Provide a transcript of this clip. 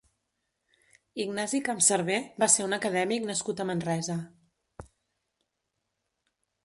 Ignasi Campcerver va ser un acadèmic nascut a Manresa.